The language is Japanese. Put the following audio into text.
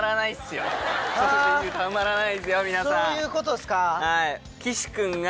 そういうことっすか！